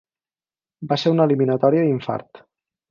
Va ser una eliminatòria d'infart.